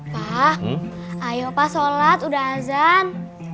pak ayo pak sholat udah azan